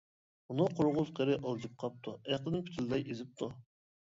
مۇنۇ قۇرغۇر قېرى ئالجىپ قاپتۇ، ئەقلىدىن پۈتۈنلەي ئېزىپتۇ!